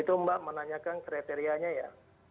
itu mbak menanyakan kriterianya ya